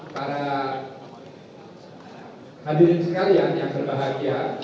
para hadirin sekalian yang berbahagia